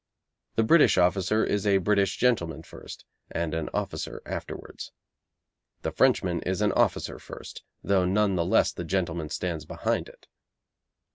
The British officer is a British gentleman first, and an officer afterwards. The Frenchman is an officer first, though none the less the gentleman stands behind it.